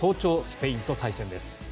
スペインと対戦です。